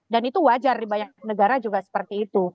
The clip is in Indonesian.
dan itu wajar di banyak negara juga seperti itu